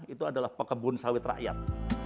itu adalah pekebun sawit rakyat